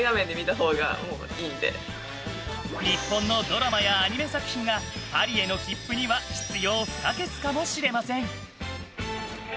日本のドラマやアニメ作品がパリへの切符には必要不可欠かもしれません。